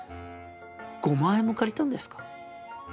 ５万円も借りたんですか？